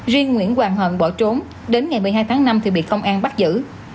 riêng nguyễn hoàng hận bỏ trốn đến ngày một mươi hai tháng năm thì bị công an bắt giữ